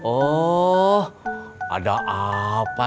oh ada apa